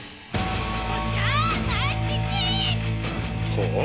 はあ？